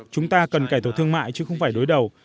chúng ta cần cải tổ thương mại chứ không phải đối đầu